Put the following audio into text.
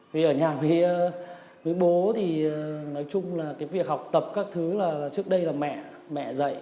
vì ở nhà phía với bố thì nói chung là cái việc học tập các thứ là trước đây là mẹ mẹ dạy